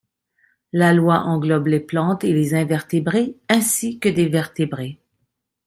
La loi englobe les plantes et les invertébrés ainsi que des vertébrés.